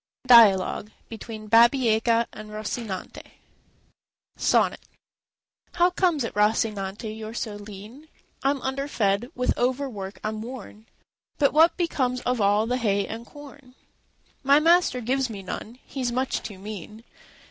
DIALOGUE Between Babieca and Rocinante SONNET B. "How comes it, Rocinante, you're so lean?" R. "I'm underfed, with overwork I'm worn." B. "But what becomes of all the hay and corn?" R. "My master gives me none; he's much too mean."